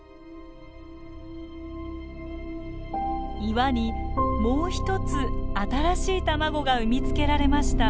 岩にもう１つ新しい卵が産みつけられました。